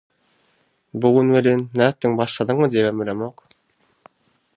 Bu gün welin… “Nätdiň, başladyňmy?” diýibem bilemok.